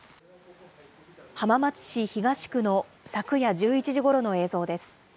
浜松市東区の昨夜１１時ごろの映像です。